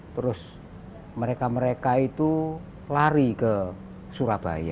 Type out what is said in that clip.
terus mereka mereka itu lari ke surabaya